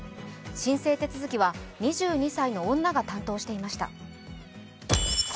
申請手続きは２２歳の女が担当していました。